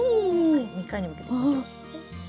２回に分けていきましょう。